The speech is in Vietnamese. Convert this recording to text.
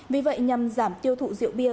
vì vậy nhằm giảm tiêu thụ đặc biệt